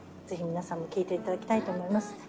ぜひ皆さんに聴いていただきたいと思います。